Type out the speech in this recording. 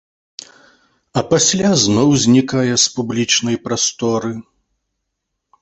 А пасля зноў знікае з публічнай прасторы.